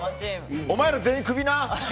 お前ら全員クビな！